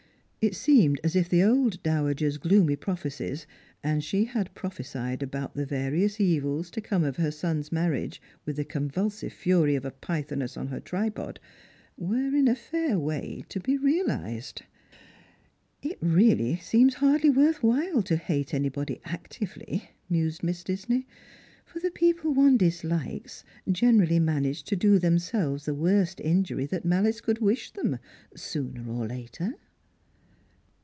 It seemed as if the old dowager's gloomy i^rophecies — and she had prophesied about the various evils to come of her son's marriage with the con vulsive fury of a pythoness on her tripod — were in a fair way to be realised. " It really seems hardh^ wortli while to hate anybody actively," mused Miss Disney, " for the people one dislikes generally manage to do themselves the worst injury tliat malice could wish them, sooner or later."